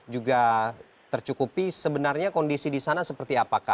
juga tercukupi sebenarnya kondisi di sana seperti apakah